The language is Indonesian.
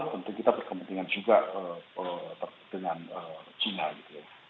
tentu kita berkepentingan juga dengan china gitu ya